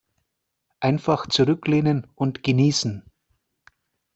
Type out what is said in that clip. Einfach zurücklehnen und genießen.